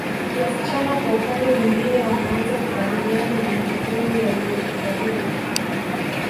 Wasichana kwa upande mwingine wanaanza kukabiliana na majukumu yaliyohifadhiwa